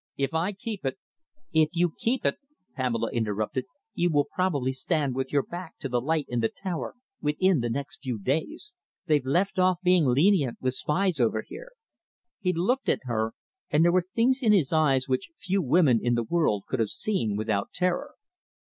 If I keep it " "If you keep it," Pamela interrupted, "you will probably stand with your back to the light in the Tower within the next few days. They've left off being lenient with spies over here." He looked at her, and there were things in his eyes which few women in the world could have seen without terror.